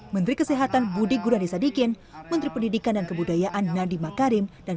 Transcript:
menteri kesehatan budi gunadisadikin menteri pendidikan dan kebudayaan nadiem makarim dan